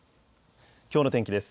きょうの天気です。